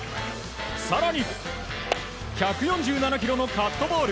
更に１４７キロのカットボール。